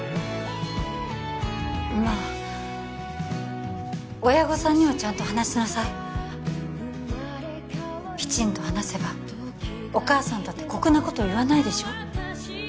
まあ親御さんにはちゃんと話しなさいきちんと話せばお母さんだって酷なこと言わないでしょ